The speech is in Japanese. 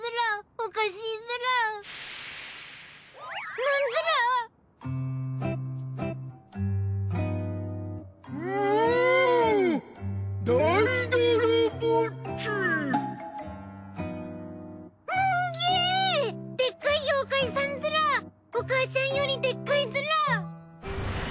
お母ちゃんよりでっかいズラ。